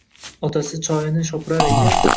Otasi choyini shopirar ekan.